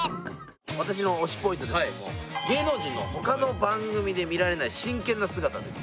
私の推しポイントですけども芸能人の他の番組で見られない真剣な姿です